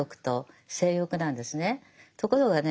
ところがね